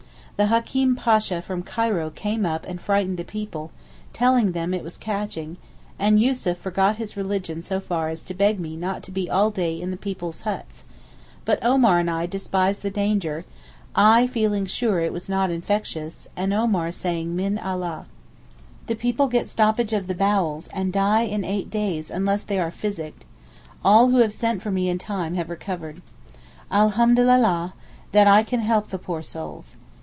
The Hakeem Pasha from Cairo came up and frightened the people, telling them it was catching, and Yussuf forgot his religion so far as to beg me not to be all day in the people's huts; but Omar and I despised the danger, I feeling sure it was not infectious, and Omar saying Min Allah. The people get stoppage of the bowels and die in eight days unless they are physicked; all who have sent for me in time have recovered. Alhamdulillah, that I can help the poor souls.